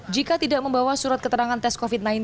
jika tidak membawa surat keterangan tes covid sembilan belas